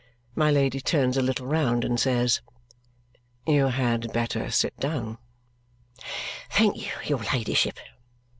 My Lady turns a little round and says, "You had better sit down." "Thank your ladyship."